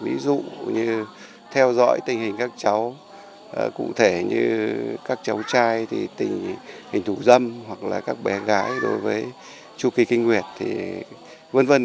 ví dụ như theo dõi tình hình các cháu cụ thể như các cháu trai thì tình hình thủ dâm hoặc là các bé gái đối với chú kỳ kinh nguyệt thì vân vân